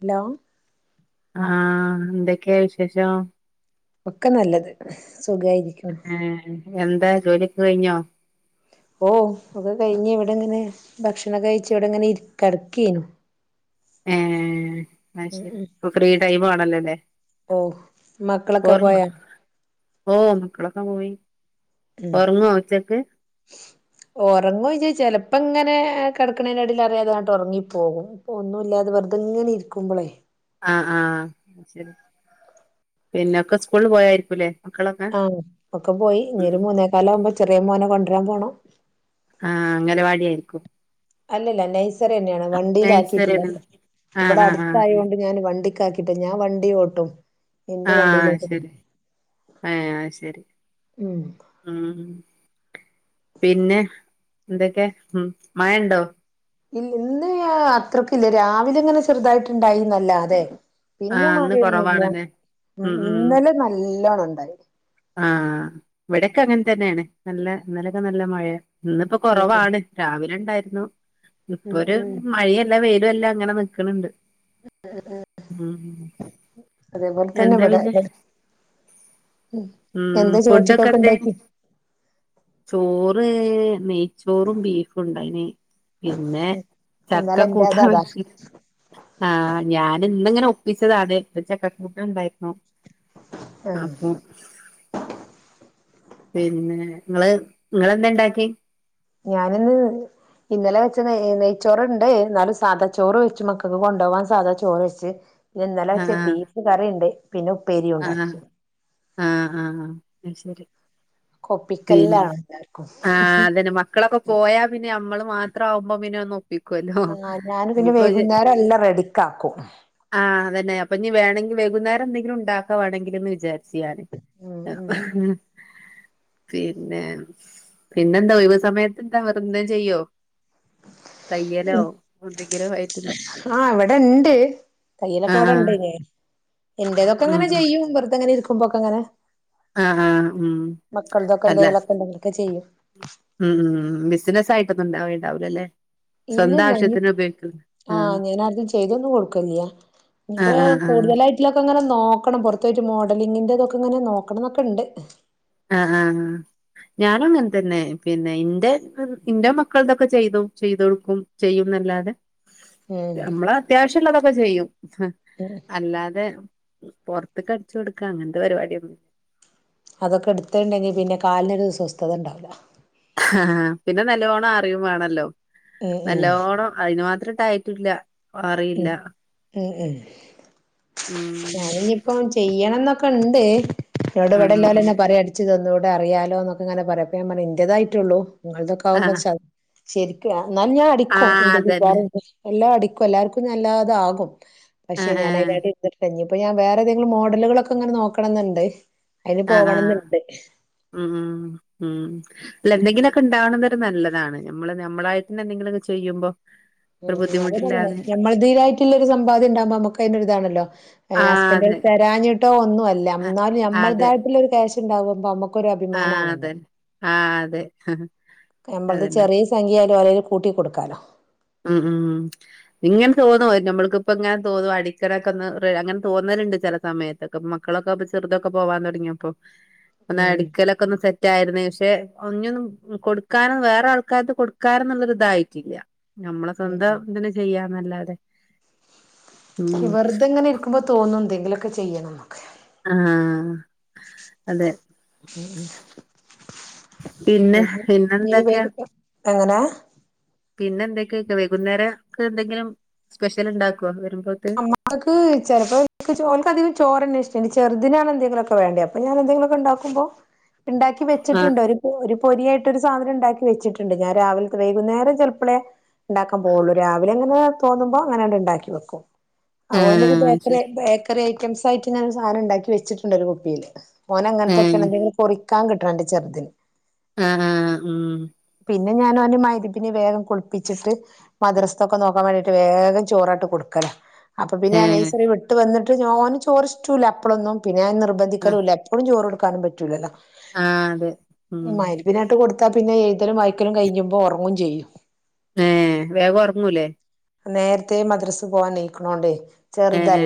Hello ആഹ് എന്തൊക്കെ വിശേഷം? ഒക്കെ നല്ലത് സുഖായിരി ഏഹ് എന്താ ജോലിയൊക്കെ കഴിഞ്ഞോ? ഓഹ് ഒക്കെ കഴിഞ്ഞ് ഇവിടെങ്ങനെ ഭക്ഷണൊക്കെ കഴിച്ച് ഇവടെങ്ങനെ ഇര് കെടക്കേനു ഏഹ് അഹ് ഉം ശെരി ഇപ്പൊ ഫ്രീ ടൈമ് ആണല്ലോല്ലേ ഓഹ് മക്കളൊക്കെ പോയോ? ഓഹ് മക്കളൊക്കെ പോയി ഒർങ്ങോ ഉച്ചക്ക് ഒർങ്ങോയ്ച്ചാ ചെലപ്പങ്ങനെ കെടക്ക്ണേൻ്റെടീല് അറിയാതെ ആട്ട് ഒറങ്ങിപ്പോകും അപ്പം ഒന്നൂല്ലാതെ വെർതെങ്ങനെ ഇരിക്കുമ്പളെ ആഹ് ആഹ് അഹ് ശെരി പിന്നൊക്കെ സ്കൂൾല് പോയായിരിക്കൂല്ലേ മക്കളൊക്കെ ആഹ് ഒക്കെ പോയി ഇനി ഉം ഒര് മൂന്നേ ഉം. കാലാവുമ്പോ ചെറിയ മോനെ കൊണ്ടരാൻ പോണം ആഹ് അംഗലവാടി ആയിര്ക്കും അല്ലല്ല നൈസറെന്നേണ് വണ്ടീല് നഴ്സറി ആക്കീട്ടില്ല അല്ല ഇവടെ ആഹ് ഇവിടെ ആഹ് ആഹ് അട്ത്തായോണ്ട് ഞാന് വണ്ടിക്കാക്കിട്ട്ല്ല ഞാൻ വണ്ടി ഓട്ടും എന്റെ ആഹ് അഹ് വണ്ടിയിലാട്ട് ശെരി ഏഹ് അഹ് ശെരി ഉം ഉം പിന്നെ എന്തൊക്കെ ഉം മഴണ്ടോ ഇല്ല ഇന്ന് പിന്നെ അത്രക്ക്ല്ല രാവിലെ ഇങ്ങനെ ചെറ്തായിട്ട്ണ്ടായിന്നല്ലാതെ പിന്നെ ആഹ് ഇന്ന് മഴൊന്നൂല്ല കൊറവാണല്ലേ ഉം ഉം ഇന്നലെ നല്ലോണം ഇണ്ടായി ആഹ് ഇവടെക്കെ അങ്ങൻതന്നേണ് നല്ല ഇന്നലൊക്കെ നല്ല മഴേ ഇന്ന്പ്പൊ ഉം കൊറവാണ് രാവിലെ ഇണ്ടായിര്ന്നു ഇപ്പൊ ഉം ഉം ഒരു ഉം മഴീ അല്ല വെയിലു അല്ലാ അങ്ങനെ നിക്ക്ണണ്ട് ഉം അതേപോലെ തന്നെ എന്താ ഇവിടെ പിന്നെ ഉം എന്താ ഫുഡൊക്കെ ചോറ്റിക്കൊക്കെ എന്തേ ഉണ്ടാക്കി ചോറ് മീ ച്ചോറും ബീഫുണ്ടായ്നീ പിന്നെ ഇന്നലെ ചക്ക എന്റേത് കൂട്ടാൻ അതാ വെച്ച് ആഹ് ഞാന് ഇന്ന് അങ്ങനെ ഒപ്പിച്ചതാണ് അതെ ഇന്ന് ചക്കക്കൂട്ടാൻ ഇണ്ടായിരുന്നു ആഹ് അപ്പൊ- പിന്നെ ഇങ്ങള് ഇങ്ങെളെന്ത്‌ ഇണ്ടാക്കി ഞാന് ഇന്ന്- ഇന്നലെ വെച്ച നെയ് നെയ്ച്ചോറ്ണ്ട് എന്നാലും സാധാ ചോറ് വെച്ച് മക്കക്ക് കൊണ്ടോവാൻ സാധാ ചോറ് വെച്ച് പിന്നെ ഇന്നലെ ആഹ് വെച്ച ബീഫ് കറീയിണ്ട് പിന്നെ ഉപ്പേരി ആഹ് ആഹ് ഉണ്ടാക്കി ആഹ് ആഹ് അത് ശെരി ഉം കൊപ്പിക്കല്ലാണ് എല്ലാർക്കും ആഹ് അതന്നെ മക്കളൊക്കെ പോയാ പിന്നെ നമ്മള് മാത്രാവുമ്പോ പിന്നെ നോ ആഹ് ഞാന് പിന്നെ വൈകുന്നേരം എല്ലാം റെഡിക്കാക്കും ആഹ് അതന്നെ അപ്പ ഇഞ്ഞി വേണെങ്കി വെകുന്നേരം എന്തെങ്കിലും ഉണ്ടാക്കാ വേണെങ്കില്ന്ന് വിചാര് ഉം ഇല്ലേ ഉം പിന്നെ പിന്നെന്താ ഒഴിവ് സമയത്ത് എന്താ വേറെ എന്തെലും ചെയ്യോ തയ്യലോ എന്തെങ്കിലും ആയിട്ട്- ആഹ് ഇവടെ ഇണ്ട് തയ്യലൊക്കെ ഇവടെ ആഹ് ഒണ്ട്നെ ഇന്റതൊക്കെ ഉം ഇങ്ങനെ ഉം ചെയ്യും വെറതെ ഇങ്ങനെ ഇരിക്കുമ്പോക്കെങ്ങനെ ആഹ് ആഹ് ഉം മക്കടെയൊക്കെ അല്ല എന്തെങ്കിലൊക്കെ ഇണ്ടെങ്കിലൊക്കെ ചെയ്യും ഉം ഉം ഉം ബിസ്നസായിട്ടൊന്നും ഇണ്ടാവേണ്ടാവൂകയെ ഇണ്ടാവില്ല ഇല്ലേ സ്വന്തം ഇല്ലില്ല ഇനി ആവശ്യത്തിന് ഉപയോഗി ആഹ് അങ്ങനെ ആർക്കും ചെയ്തൊന്നും കൊടുക്കനിണില്ല ഇഞ്ഞിപ്പോ ആഹ് ആഹ് ആഹ് കൂട്തലായി എല്ലാം ഇപ്പ അങ്ങനെ നോക്കണം പൊരത്തു പോയിട്ടു മോഡലിങ്ങിന്റ ഇതൊക്കെ ഇങ്ങനെ നോക്കണം എന്നൊക്കെയിണ്ട് ആഹ് ആഹ് ആഹ് ഞാനും അങ്ങൻതന്നെ പിന്നെ ഇന്റെ ഇന്റെ മക്കൾടെ ഒക്കെ ചെയ്തു ചെയ്ത് കൊട്ക്കും ചെയ്യുന്നല്ലാതെ ഉം നമ്മള് അത്യാവശ്യള്ളൊക്കെ ചെയ്യും ഉം അല്ലാതെ പൊർത്ത്ക്ക് അടിച്ച് കൊടുക്കാ ച അങ്ങനത്തെ പരിപാടി ഒന്നും- അതൊക്കെ എടുത്തട്ടുണ്ടെങ്കിൽ പിന്നെ കാലിനൊരു സ്വസ്ഥത ഉണ്ടാവില്ല ആഹ് പിന്നെ നല്ലോണം അറിയും വേണല്ലോ ഉം ഉം നല്ലോണം- അതിന് മാത്രം ഇതായിട്ടില്ല ഉം ഉം ഉം ഉം ഞാൻ ഇനിയിപ്പം ചെയ്യണം എന്നൊക്കെ ഉണ്ട് ഇവിടെ ഇവിടെ എല്ലാരും ആഹ് ഇങ്ങനെ പറയാണ് ഉമ്മച്ചി ഇതൊന്നൂടെ അറിയാലോ എന്നൊക്കെ അങ്ങനെ പറയും അപ്പൊ ഞാൻ പറയും എന്റെതായിട്ടുള്ളു നിങ്ങളുടെതൊക്കെ ആകുമ്പോ ആഹ് തയ്യ് ശരിക്കും എന്നാ ഞാൻ അടിക്കും ആഹ് എന്റെ അതന്നെ വികാരവോക്കെ- എല്ലാം അടിക്കും എല്ലാവർക്കും നല്ലാതാകും പക്ഷെ ആഹ് ഞാൻ ആഹ് അതിനെ എടേൽ ഇഞ്ഞി ഇപ്പോ ഞാൻ വേറെ ഏതെങ്കിലും മോഡലുകളൊക്കെ ഇങ്ങനെ നോക്കണം എന്നുണ്ട് അതിന് ആഹ് ആഹ് പോകണന്നുണ്ട് ഉം ഉം അല്ല എന്തെങ്കിലുവോക്കെ ഇണ്ടാവണന്നോരു നല്ലതാണ് നമ്മള് - നമ്മളായിട്ട് തന്നെ എന്തെങ്കിലുവൊക്കെ ചെയ്യുമ്പോ ഒരു ഉം അത [unintelligible] ന്നെ പറഞ്ഞെ ബുദ്ധിമുട്ടില്ലാതെ നമ്മ ദൈവ്വമായിട്ടുള്ള ഒരു സമ്പാദ്യം ഉണ്ടാവുമ്പോ നമുക്ക് അതിനൊരു ഇതാണല്ലോ ആ ഹസ്ബൻഡ് അതെ തരാഞ്ഞിട്ടോ ഒന്നുമല്ല- അ എന്നാലും നമ്മളുടെതായിട്ടുള്ള ഒരു ക്യാഷ് ഇണ്ടാവുമ്പ നമുക്ക് ആഹ് അതെ ആഹ് അതെ നമ്മളത് അതന്നെ ചെറിയ സംഖ്യായാലും ആരേ [unintelligible] ലും കൂട്ടി കൊടുക്കാലോ ഉം ഉം ഇങ്ങനെ തോന്നുവോ നമ്മൾക്കിപ്പോ ഇങ്ങനെ തോന്നും അടിക്കലൊക്കെ ഒന്ന് നമ്മൾക്കിപ്പം ഇങ്ങനെ അടിക്കണൊക്കെ ഒന്ന് അങ്ങനെ തോന്നലിണ്ട് ചെല സമയത്ത്- മക്കളൊക്കെ അപ്പൊ ചെറുതൊക്കെ പോവാൻ തൊടങ്ങിയപ്പോ ഒന്ന് ഉം അടുക്കലൊ ഒക്കെ ഒന്ന് സെറ്റ് ആയിരുന്നേ പക്ഷെ ഇനിയൊന്നും കൊടുക്കാനും വേറെ ആൾക്കാർക്ക് കൊടുക്കാനന്നുള്ളരിതായിട്ടില്ല നമ്മളെ ഉം സ്വന്തം ഇതിന് ചെയ്യാന്നല്ലാതെ ഉം നികുമ്പ തോന്നും എന്തെങ്കിലൊക്കെ ചെയ്യണം എന്നൊക്കെ ആഹ് അതെ പിന്നെ പിന്നെ എന്തൊക്കെയാ എങ്ങനെ പിന്നെ എന്തൊക്കെയൊക്കെ വൈകുന്നേരംക്കെ എന്തെങ്കിലും സ്പെഷ്യൽ ഉണ്ടാക്കുവോ വരുമ്പോ അമ്മ നക്ക് ചിലപ്പോ ചോക്ക അധിക ചോറന്ന ഇഷ്ട ഇനി ചെറുതിനാണ് എന്തെങ്കിലൊക്കെ വേണ്ടേ അപ്പൊ ഞാനെന്തെങ്കിലുമൊക്കെ ഉണ്ടാകുമ്പോ [inaudible] ഇണ്ടാക്കി ആ വെച്ചിട്ടുണ്ടോ ഒരു ഒരു പൊരിയായിട്ടൊരു സാധനം ഉണ്ടാക്കി വെച്ചിട്ടുണ്ട് ഞാൻ രാവിലത്തെ വൈകുന്നേരം ചിലപ്പളെ ഉണ്ടാക്കാൻ പോവുള്ളൂ രാവിലെ അങ്ങനെ തോന്നുമ്പോൾ അങ്ങനെണ്ട് ഉണ്ടാക്കി വെക്കും ഓ എന്റെ ഒരു ആഹ് ബേക്കറി ശരി ബേക്കറി ഐറ്റംസ് ആയിട്ട് ഞാൻ ഒരു സാധനം ഉണ്ടാക്കി വെച്ചിട്ടുണ്ട് ഒരു കുപ്പിയില് ഓൻ അങ്ങനത്തൊക്കെ ഏഹ് ഉണ്ടെങ്കിൽ കൊറിക്കാൻ കിട്ടണം എന്റെ ചെറുതിന് ആഹ ഉം പിന്നെ ഞാൻ അവനെ മൈരിബിന് വേഗം കുളിപ്പിച്ചിട്ട് മദ്രസൊക്കെ നോക്കാൻ വേണ്ടിട്ട് വേഗം ചോറായിട്ട് കൊടുക്കലാ അപ്പൊ പിന്നെ ആ ഏഹ് നെഴ്സറി വിട്ട് വന്നിട്ട് ഞാൻ ചൊറിഷ്ടല്ല അപ്പളൊന്നും പിന്നെ ഞാൻ ആഹ് നിർബന്ധിക്കലും ഇല്ല എപ്പളും ചോറ് കൊടുക്കാനും പറ്റൂല്ലല്ലാ ആഹ് അതെ ഉം മയിര്ബിന് നേരത്ത് കൊട് ത്ത പിന്നെ എഴുതലും വായിക്കലും കഴിയുമ്പോൾ ഉറങ്ങും ചെയ്യും ഏഹ് വേഗം ഉറങ്ങൂല്ലേ നേരത്തെ മദ്രസ് പോവാൻ എണീയിക്കണോണ്ടേ ഏഹ്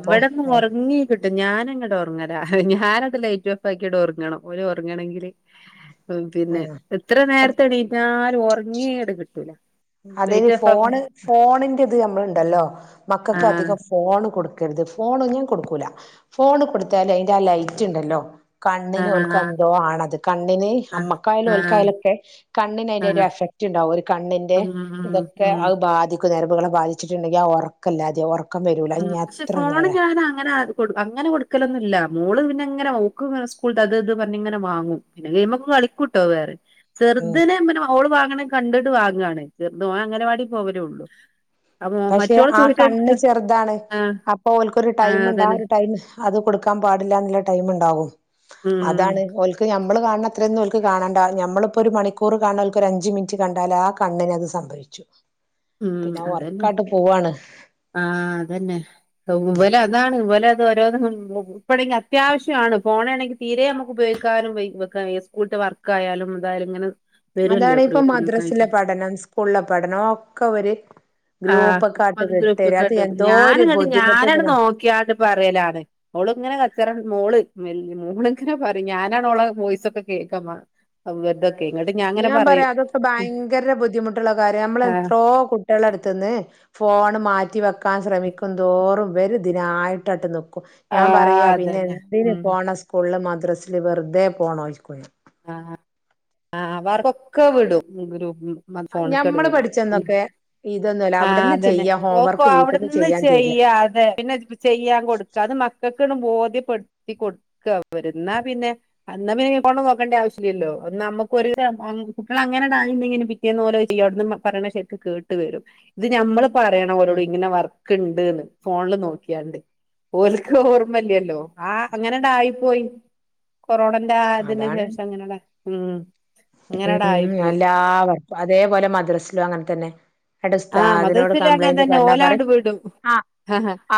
അപ്പൊ ഇപ്പ ഉറങ്ങി ട്ട് ഞാനങ്ങട്ട ഉറങ്ങല ഞാൻ അതിൽ ലൈറ്റ് ഓഫ്‌ ആക്കിയിട്ട് ഉറങ്ങണം ഓല് ഉറങ്ങണെങ്കില് പിന്നെ ആഹ് എത്ര അത് നേരത്തെ എണീറ്റാലും ഉറങ്ങിയങ്ങട് കിട്ടൂല അതെത് ലൈറ്റ് ഓഫ് ആക്കും ഫോണ് ഫോണിന്റെ ഇത് നമ്മളുണ്ടല്ലോ മക്കൾക്ക് ആഹ് അധികം ഫോണ് കൊടുക്കരുത് ഫോണ് ഞാൻ കൊടുക്കൂല ഫോണ് കൊടുത്തല് അതിന്റെ ലൈറ്റ് ഉണ്ടല്ലോ കണ്ണിന ആഹ് ആഹ് ഓൽകേന്തോ ആണത് കണ്ണിന് ആഹ് അമ്മക്കായലും ആഹ് ആഹ് ഒൽക്കായലൊക്കെ കണ്ണിന് അതിന്റെ ഒരു ആഹ് എഫക്റ്റ് ഉണ്ടാവും ഒരു കണ്ണിന്റെ ഉം ഉം ഇതൊക്കെ ഉം അത് ബാധിക്കും ഞരമ്പുകളെ ബാധിച്ചിട്ടുണ്ടെങ്കിൽ ആ ഉറക്കല്ലാതെ ഉറക്ക ഉം പക്ഷെ ഫോണ് ഞാൻ അങ്ങനെ ആരും കൊടു അങ്ങനെ കൊടുക്കലൊന്നുമില്ല മോള് പിന്നെ ഇങ്ങനെ മോക്ക് സ്കൂള അത് ഇത് പറഞ്ഞ ഇങ്ങനെ വാങ്ങും പിന്നെ ഗെയിമൊക്കെ കളിക്കൂട്ടോ വേറെ ഉം ചെറുതിനെമ്മനെ ഓള് വാങ്ങണേ കണ്ടിട്ട് വാങ്ങുകയണേ ചെറുത ഓ അങ്ങനെവാടി പോവലൊള്ളു പക്ഷെ ആഹ് കണ്ണ് ചെറു താണ് ആഹ് അപ്പൊ ഓല്ക്കൊരു ടൈമുണ്ട് ആഹ് ഒരു ടൈം അത് കൊടുക്കാൻ പാടില്ല എന്നുള്ള ടൈം ഉണ്ടാവും ഉം അതാണ് ഓല്ക് പ്പ ഞമ്മള് കാണണ അത്രയന്നും ഓൽക്ക് കാണണ്ട നമ്മളിപ്പോൾ ഒരു മണിക്കൂർ കാണണഓല്ക്കൊരു ഒരഞ്ച് മിനിറ്റ് കണ്ടാൽ ആ കണ്ണിനത് സംഭ വെച്ചു ഉം അതന്നെ ആഹ് അതന്നെ ടൊവ്വലാക്കി അതാണ് ഇവലതൊരോന്ന് [unintelligible] ഇപ്പോഴെങ്കിൽ അത്യാവശ്യമാണ് ഫോൺ ആണെങ്കിൽ തീരെ നമുക്ക് ഉപയോഗിക്കാനും വയ്യ സ്കൂ വർ ക്കായാലും അതായാല ഇങ്ങനെ വരുവല്ലോ അതാണ് ഇപ്പ ഗ്രൂപ്പിലൊക്കെ ആയിട്ട് മദ്രാസിലെ പഠനം സ്കൂളിലെ പഠനം ഒക്കെ ഒരു ആ ഗ്രൂപ്പൊക്കെ ആട്ട് അത് വിട്ടേരും ഗ്രൂപ്പൊക്കെ അത് ഇടും എന്തോ ഞാൻ ഒരു കണ്ട ഞാനട് ബുദ്ധിമുട്ടുണ്ട് നോക്കിയാണ്ട് പറയലാണ് ഓള് ഇങ്ങനെ കച്ചറൻ മോള് വല് മോള ഇങ്ങനെ പറയും ഞാനാ ഓളെ വോയിസൊക്കെ കേക്കാ മ്മാ അപ്പൊ ഇബർതൊക്കെങ്ങള് ഞാൻ പറയാ അതൊക്കെ ഭയങ്കര ബുദ്ധിമുട്ടുള്ള കാര്യ നമ്മള ആഹ് എത്രോ കു ട്ടിയാളെട്ത്ത്ന്ന് ഫോൺ മാറ്റി വെക്കാൻ ശ്രമിക്കും തോറും ഇവര് ഇതിനായിട്ടാൻണ്ട് നിക്കും ഞാൻ ആഹ് പറയാ പിന്നെ അതന്നെ എന്തിന് ഉം പോണം സ് കൂള് മദ്രസ് ല് വെർതെ പോണോയ് [unintelligible] ആഹ് ആഹ് ആഹ് ആഹ് വർ ക്കൊക്കെ വിടും ഗ്രൂപ്പ് ഇന്ന ഞാൻ ഫോണ്ക്കാണ്ട് ഞമ്മള് വിടും ഉം പഠിച്ചന്നൊക്കെ ഇതൊന്നുമല്ല ആഹ് അവിടുന്ന് അതന്നെ ചെയ്യാ ഓക്കോ ഹോംവർക്ക് അവിട് വീട്ടിൽന്ന് ന്ന് ചെയ്യാൻ തരിക ചെയ്യ ഏ പിന്നെ [unintelligible] ചെയ്യാൻ കൊട്ക്ക അത് മക്കൾക്ക്ണ്ട് ബോധ്യപ്പെട്ത്തി കൊടുക്ക ഇവര് ന്നാ പിന്നെ അന്നാ പിന്നെ [unintelligible] [unintelligible] ണ്ട ആവശ്യല്ലല്ലോ നമ്മുക്ക് ഒര് അങ്ങ കുട്ടിയള് അങ്ങനെണ്ട് ആയീണ്ടെങ്കി പിറ്റേന്ന് ഡായിന്ന് ഇങ്ങനെ പിറ്റേന്ന് ഓലഹ്ചെയ്യും അട്ന്ന് മ പറയ്ണ ശർക്ക് കേട്ട് ഇട്ട് വെരും ഇത് ഞമ്മള് പറയണം ഓരോട് ഉം ഇങ്ങനെ വർക്ക് ഇണ്ട്ന്ന് ഫോണ്ല് നോക്കിയാണ്ട് ഓൽക്ക് ഓർമ്മല്ലല്ലോ ആഹ് അങ്ങനെണ്ടായി പോയി കൊറോണന്റെ ആഹ് ഇതിന് അതാണ് ശേഷം അങ്ങനട ഉം ഉം അങ്ങനെടാ ഉം ആയിപ്പോയി എല്ലാ വർക്കും അതേപോലെ മദ്രസ് ലും അങ്ങൻ തന്നെ ആഹ് അട്തെസ്താദിനോട് മദ്രസയില് അങ്ങനെ കംപ്ലൈൻറ് തന്നെ പർഞ്ഞ പറിം ഓലാണ്ട് വിടും ആഹ്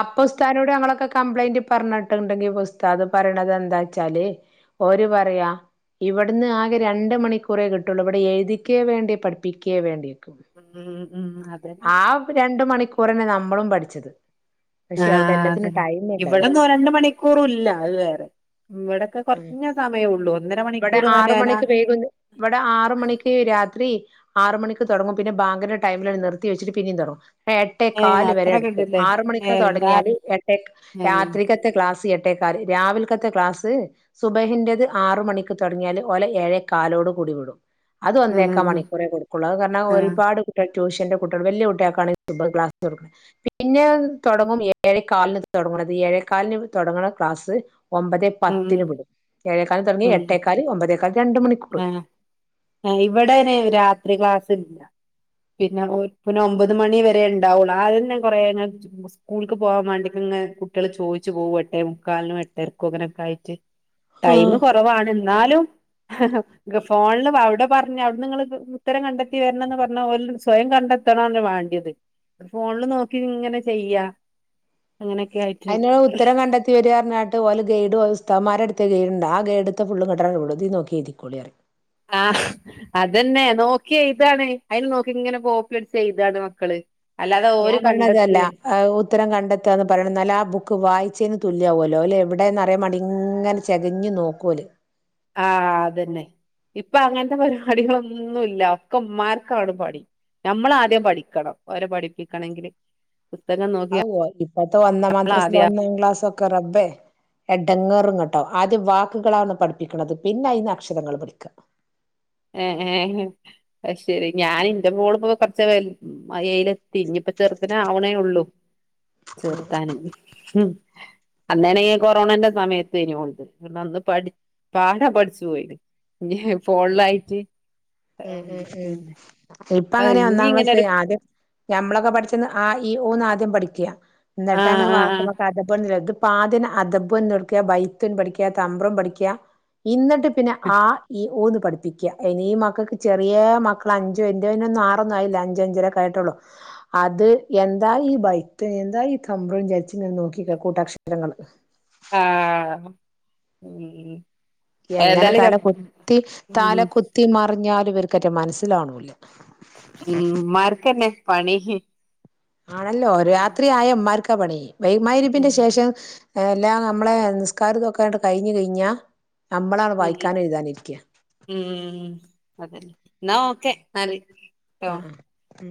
അപ്പൊ ഉസ്താനോട് ഞങ്ങളൊക്കെ കംപ്ലൈന്റ് പർഞ്ഞിട്ട്ണ്ടെങ്കിൽ ഉസ്താത് പറ്ണത് എന്താച്ചാല് ഓര് പറയാ ഇവട്ന്ന് ആകെ രണ് ണ്ട് മണിക്കൂറെ കിട്ടുള്ളൂ ഇവിടെ എഴുതിക്കേ വേണ്ടി പഠിപ്പിക്കേ വേണ്ടി ഉം ഉം അതന്നെ ആഹ് രണ്ട് മണിക്കൂറന്നെ നമ്മളും പട്ച്ചത് ആഹ് അതെ ഇവിടന്നും രണ്ട് മണിക്കൂറും ഇല്ല അത് വേറെ ഇവടൊക്കെ ഉം കൊർഞ്ഞ സമയൊള്ളൂ ഒന്നര മണിക്കൂർ തന്നെയാനാ ഇവടെ ആറ് മണിക്ക് രാത്രി ആറ് മണിക്ക് തൊട്ങ്ങും പിന്നെ ബാങ്കിന്റെ ടൈമില് നിർത്തി വെച്ചിട്ട് പിന്നെയും തൊട്ങ്ങും ഏ എട്ടേക്കാല് വരെ അത്രൊക്കെ എട്ത്തു ഇണ്ടല്ലേ ആറ് ഏ മണിക്ക് രാ തൊട്ങ്ങിയാല് എട്ടേ ക് ഏ രാത്രി കെ ത്തെ ക്ലാസ് എട്ടേക്കാല് രാവില്ക്കത്തെ ക്ലാസ് സുബഹിന്റത് ആറു മണിക്ക് തൊട്ങ്ങിയാല് ഓലെഏഴേ കാലോട് കൂടി വിടും അത് ഉം ഒന്നേക്കാ ഉം ഉം മണിക്കൂറെ കൊടുക്കൊള്ളു അത്‌ കാരണം ആ ഒരുപാട് [unintelligible] ട്യൂഷന്റെ കുട്ടിയേൾ വലിയ കുട്ടിയാക്കാണ് [unintelligible] ക്ലാസ് കൊടുക്കുന്നെ പിന്നെ തൊടങ്ങും ഏഴേക്കാല്ന് തൊട്ങ്ങ്ണത് ഏഴേക്കാല്ന് തൊട്ങ്ങ്ണ ക്ലാസ് ഒമ്പതേ ഉം ഉം പത്ത്ന് വിടും ഏഴേക്കാലി തൊട്ങ്ങി എട്ടേക്കാല് ഒമ്പതേക്കാല് രണ്ട് മണി ആഹ് ആഹ് ഇവിടയഞ്ഞ് രാത്രി ക്ലാസ്സ് ഇല്ല പിന്നെ ഒരു പിന്നെ ഒമ്പത് മണി വരെ ഇണ്ടാവൊള്ളു ആത് തന്നെ കൊറേ ങ്ങ് സ്കൂൾക്ക് പോവാൻ വേണ്ടിക്കങ്ങനെ കുട്ടിയേള് ചോയ്ച്ച് പോവും എട്ടെ മുക്കാല്നും എട്ടർക്കും അങ്ങനൊക്കായിട്ട് ടൈമ് ആഹ് കൊറവാണ് ന്നാലും ഫോണ്ല് അവിടെ പർഞ്ഞ അവ്ട്ങ്ങള് ഉത്തരം കണ്ടെത്തി വെർണംന്ന് പർഞ്ഞാൽ ഓല് സ്വയം കണ്ടെ എത്ത്ണ വാണ്ടിയത് ഫോണ്ല് നോക്കി ഇങ്ങനെ ചെയ്യാ അങ്ങനെയൊക്കെ ആയിട്ട് അയ്നുള്ള ഉത്തരം കണ്ടെ ത്തി വരാർനാണ്ട് ഓല് ഗൈഡ് ഉസ്ഥമാരെട്ത്ത് ഗെയ്ഡ് ഇണ്ട് ആ ഗൈഡ് ത്തെ ഫുള്ള് ഇങ്ങട്ടങ്ങ് വിടും ഇതീ നോക്കി എയുതിക്കോളി പറിം ആഹ് അതന്നെ നോക്കി എഴ്താണ് അയ്ല് നോക്കി ഇങ്ങനെ കോപ്പിഅട്ച്ച് എഴ്താണ് മക്കള് അല്ലാതെ ഞാൻ ഓര് പറയണതല്ല കണ്ടത്തെ ഉത്തരം കണ്ടെത്തന്ന് പറിയണം ഇന്നാ ല് ആ ബുക്ക് വായിച്ചേന് തുല്യാവോല്ലോ ല്ലേ എവിടെയന്ന്റിയാ മാണ്ടി ഇങ്ങനെ ചെകഞ്ഞ് നോക്കോല് ആഹ് അതന്നെ ഇപ്പ അങ്ങൻത്തെ പരിപാടികളൊന്നുംല്ല ഒക്കെ ഉമ്മാർക്കാണ് പണി നമ്മള് ആദ്യം പഠിക്കണം അവരെ പഠിപ്പിക്കണമെങ്കില് പുസ്തകം നോ ഇപ്പത്തെ ഒന്നാം മദ്രസില് ഒന്നാ ക്ലാസ് ഒക്കെ റബേ എടങ്ങേറ്ങ്ങട്ട് ആവുംആദ്യം വാക്കുകളാണ് പഠിപ്പിക്കണുന്നത് പിന്നെ അതിന്ന് അക്ഷരങ്ങൾ പഠിക്ക ഏഹ് ഏഹ് അത് ശെരി ഞാനിന്റെ മോള് പോ കൊറച്ച് വ ഏയിലെത്തി ഇനിയിപ്പ ചെർദിനെ ആവണേ ഉള്ളു ചേർത്താന് ഉം അന്നേന കൊറോണന്റെ സമയത്ത് ഏനു [unintelligible] പാടാ പഠിച്ചു പോയിന് ഇനി ഫോണ്ലായി ഉ ഉം ഉ ഇപ്പ അത് അങ്ങനെ ഇനി ഒന്നാം ഇങ്ങനെ ക്ലാസ് ഒരു ആ ദ്യം ഞമ്മളൊക്കെ പഠിച്ച ആ ഈ ഊന്ന് ആദ്യം പഠിക്ക ആഹ് എന്നിട്ടാണ് ആഹ് വാക്കക്കതപ്പ [unintelligible] ആദ്യന്നെ അദബന്ന്ടുക്ക ബൈത്തുൻ പഠിക്ക തമ്പ്രുൻ പഠിക്ക ഇന്നിട്ട് പ പിന്നെ ആ ഈ ഊന്ന് പഠിപ്പിക്കുക ഇനി ഈ മക്കൾക്ക് ചെറിയ മക്കൾ അഞ്ചോ എന്റെ നൊന്നും പി ആറൊന്നും ആയില്ല അഞ്ച് അഞ്ചരൊക്കെ ആയിട്ടോള്ളൂ അത് എന്താ ഈ ബൈത്ത് എന്താ ഈ തമ്പ്രുൻ ചോയിച്ച് ഇങ്ങനെ നോക്കി നിക്ക കൂട്ടാക്ഷരങ്ങള് ആഹ് ഉം എങ്ങനെ ഏതായാലും ര തല കുത്തി ഉം തല കുത്തി മറിഞ്ഞാലും ഇവർക്ക്റ്റ മനസ്സിലാവണൂല്ല ഉം ഉമാർക്കന്നെ പണി ആണല്ലോ ഉം രാത്രി ആയ ഇമ്മാർക്ക പണി ഉം മഗ്രിബിന് ശേഷം എല്ലാം നമ്മളെ നിസ്കാര ഇതൊക്കെ ആയിട്ട് കഴിഞ് കഴിഞ്ഞാൽ നമ്മളാണ് ഉം വായിക്കാനും എഴുതാനിരിക്ക ഉം അതല്ലേ എനാ ഓക്കെ ഇന്നാല് ആഹ് ആഹ് ഉം